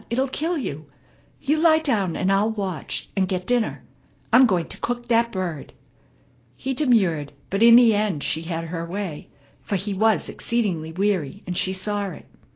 It'll kill you. You lie down, and I'll watch, and get dinner. I'm going to cook that bird." He demurred, but in the end she had her way; for he was exceedingly weary, and she saw it.